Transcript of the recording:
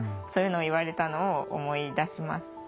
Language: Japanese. そういうのを言われたのを思い出します。